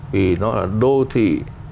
vì nó là đô thị